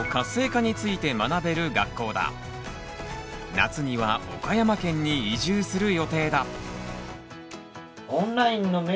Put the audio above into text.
夏には岡山県に移住する予定だ。